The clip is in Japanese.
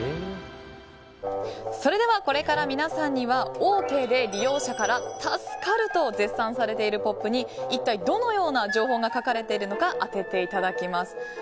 それではこれから皆さんにはオーケーで利用者から助かると絶賛されているポップに一体どのような情報が書かれているのか当てていただきます。